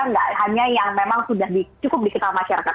nggak hanya yang memang sudah cukup dikenal masyarakat